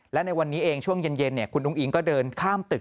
และในวันนี้เองช่วงเย็นคุณอุ้งอิงก็เดินข้ามตึก